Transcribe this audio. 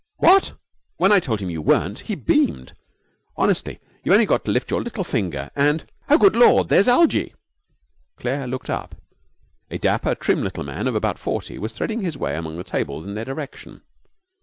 'What!' 'When I told him you weren't, he beamed. Honestly, you've only got to lift your little finger and Oh, good Lord, there's Algie!' Claire looked up. A dapper, trim little man of about forty was threading his way among the tables in their direction.